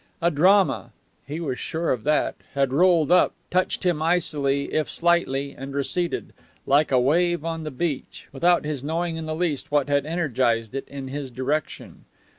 A drama he was sure of that had rolled up, touched him icily if slightly, and receded, like a wave on the beach, without his knowing in the least what had energized it in his direction.